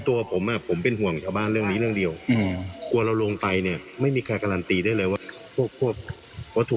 ว่างั้นเถอะอ้อดูไปต่อเลยครับไงไงก็เปิดแล้ว